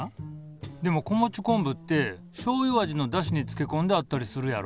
でも子持ち昆布ってしょうゆ味のだしにつけ込んであったりするやろ？